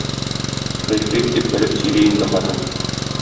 Гыйфрит дип белеп сөйли инде хатын.